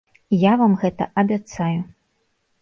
Я вам гэта абяцаю!